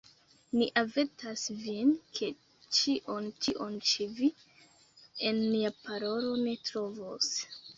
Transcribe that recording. Ni avertas vin, ke ĉion tion ĉi vi en nia parolo ne trovos.